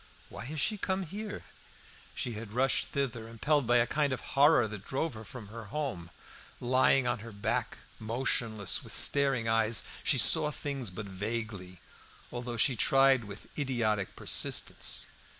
"Why has she come here?" She had rushed thither; impelled by a kind of horror that drove her from her home. Lying on her back, motionless, and with staring eyes, she saw things but vaguely, although she tried to with idiotic persistence.